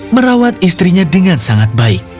merawat istrinya dengan sangat baik